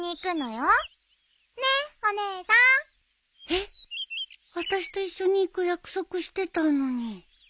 えっ私と一緒に行く約束してたのに